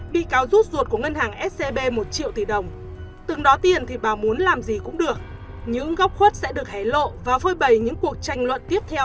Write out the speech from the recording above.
bị cáo rút ruột của ngân hàng scb một triệu tỷ đồng từng đó tiền thì bà muốn làm gì cũng được những góc khuất sẽ được hẻ lộ và phơi bày những cuộc tranh luận tiếp theo